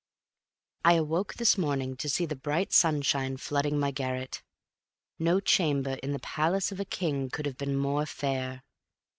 I awoke this morning to see the bright sunshine flooding my garret. No chamber in the palace of a king could have been more fair.